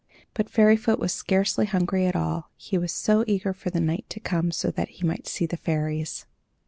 But Fairyfoot was scarcely hungry at all; he was so eager for the night to come, so that he might see the fairies.